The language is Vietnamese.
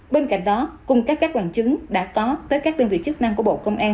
bên cạnh đó cung cấp các bằng chứng đã có tới các đơn vị chức năng của bộ công an